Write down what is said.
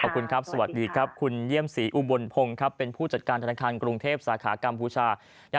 ขอบคุณครับสวัสดีครับคุณเยี่ยมศรีอุบลพงศ์เป็นผู้จัดการธนาคารกรุงเทพสาขากัมพูชา